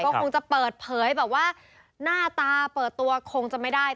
ก็คงจะเปิดเผยแบบว่าหน้าตาเปิดตัวคงจะไม่ได้